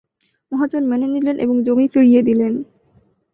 মহাজন মেনে নিলেন এবং জমি ফিরিয়ে দিলেন।